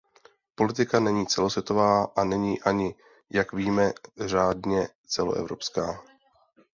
Politika není celosvětová; a není ani, jak víme, řádně celoevropská.